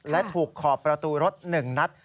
และถูกขอบประตูรถหนึ่งนัด